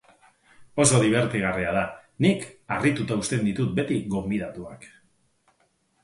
Oso dibertigarria da, nik harrituta uzten ditut beti gonbidatuak.